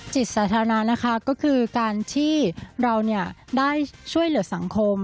จิตสาธารณะนะคะก็คือการที่เราได้ช่วยเหลือสังคม